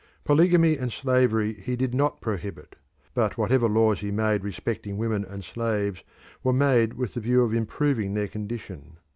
Polygamy and slavery he did not prohibit, but whatever laws he made respecting women and slaves were made with the view of improving their condition.